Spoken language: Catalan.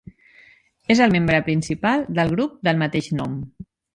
És el membre principal del grup del mateix nom.